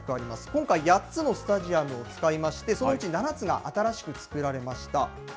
今回、８つのスタジアムを使いまして、そのうち７つが新しく造られました。